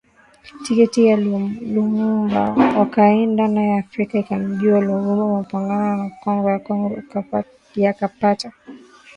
tiketi ya Lumumba Wakaenda naye Afrika ikamjua Lumumba Mapambano ya Kongo ya Kongo yakapata